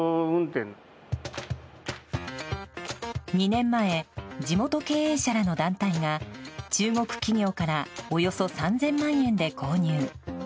２年前、地元経営者らの団体が中国企業からおよそ３０００万円で購入。